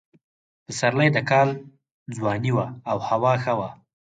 پسرلی د کال ځواني وه او هوا ښه وه.